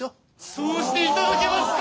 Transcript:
・そうしていただけますか！？